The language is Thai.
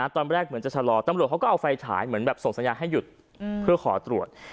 ตอนแรกเหมือนจะชะลอตำรวจเขาก็เอาไฟฉายเหมือนแบบส่งสัญญาณให้หยุดเพื่อขอตรวจ